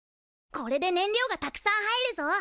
これで燃料がたくさん入るぞ！